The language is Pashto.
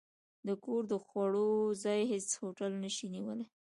د کور د خوړو، ځای هېڅ هوټل نه شي نیولی.